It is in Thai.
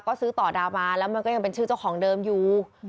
ก็ซื้อต่อดาวมาแล้วมันก็ยังเป็นชื่อเจ้าของเดิมอยู่